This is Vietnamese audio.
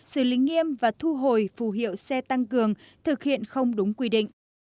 xử lý nghiêm và thu hồi phù hiệu xe tăng cường thực hiện không đúng quy định